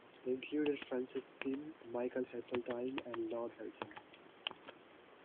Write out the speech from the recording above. They included Francis Pym, Michael Heseltine and Lord Hailsham.